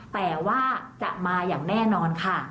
แต่ว่าจะมาอย่างแน่นอนค่ะ